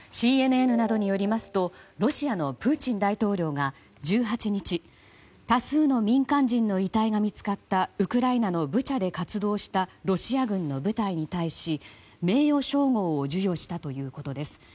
ＣＮＮなどによりますとロシアのプーチン大統領が１８日多数の民間人の遺体が見つかったウクライナのブチャで活動したロシア軍の部隊に対し名誉称号を授与したということです。